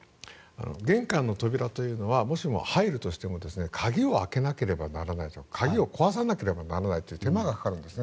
玄関の扉というのはもしも入るとしても鍵を開けなければならない鍵を壊さなくてはならないという手間がかかるんですね。